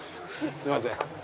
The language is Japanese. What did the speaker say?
すいません。